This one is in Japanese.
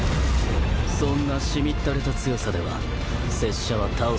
そんなしみったれた強さでは拙者は倒せんよ。